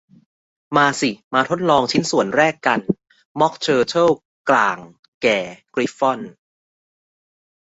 มาสิ มาทดลองชิ้นส่วนแรกกัน ม็อคเทอร์เทิลกล่างแก่กริฟฟอน